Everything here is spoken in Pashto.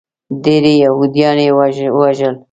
ډیری یهودیان یې ووژل.